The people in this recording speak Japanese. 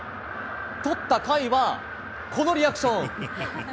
捕った甲斐はこのリアクション。